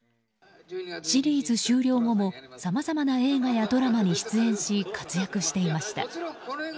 シリーズ終了後もさまざまな映画やドラマに出演し活躍していました。